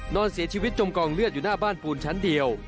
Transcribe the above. นอนเสียชีวิตจมกองเลือดอยู่หน้าบ้านปูนชั้นเดียว